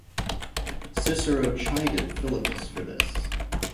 Cicero chided Philippus for this.